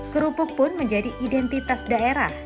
kerupuk pun menjadi identitas daerah